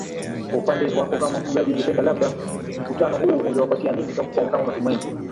kwa upande wako kama mfugaji ungependa labda mkutano huu ungewapatia nini kama matumaini